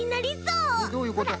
えっどういうこと？